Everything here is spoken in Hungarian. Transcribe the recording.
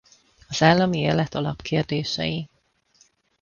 Az állami élet alapkérdései.